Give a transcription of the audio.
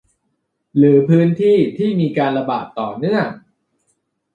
หรือพื้นที่ที่มีการระบาดต่อเนื่อง